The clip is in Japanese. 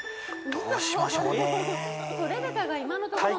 どうしましょうね。